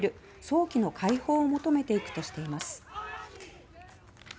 「早期の解放を求めていく」としています。